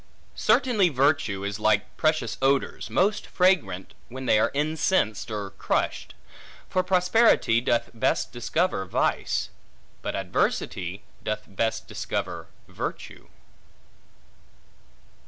Certainly virtue is like precious odors, most fragrant when they are incensed, or crushed: for prosperity doth best discover vice, but adversity doth best discover virtue.